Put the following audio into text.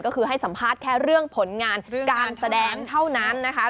ก็คือให้สัมภาษณ์แค่เรื่องผลงานการแสดงเท่านั้นนะคะ